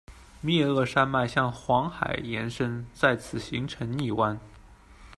灭恶山脉向黄海延伸，在此形成溺湾。